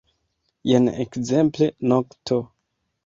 Jen, ekzemple, nokto.